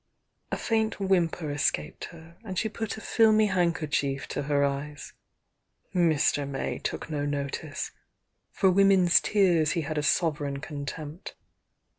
A faint whimper escaped her, and she put a filmy handkerchief to her eyes. Mr. May took no notice. For women's tears he had a sovereign contempt.